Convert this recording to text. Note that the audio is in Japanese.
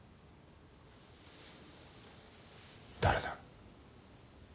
誰だ？